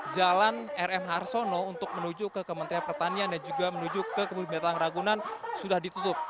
jalan rm harsono untuk menuju ke kementerian pertanian dan juga menuju ke kebun binatang ragunan sudah ditutup